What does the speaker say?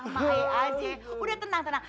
may aja udah tenang tenang